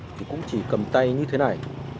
thì cũng chỉ cầm tay như thế này